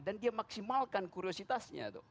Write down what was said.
dan dia maksimalkan kuriositas